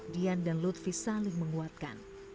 dian dan lutfi saling menguatkan